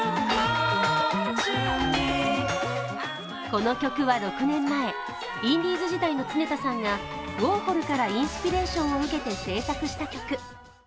この曲は６年前、インディーズ時代の常田さんがウォーホルからインスピレーションを受けて製作した曲。